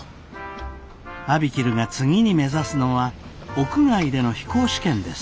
ＡＢＩＫＩＬＵが次に目指すのは屋外での飛行試験です。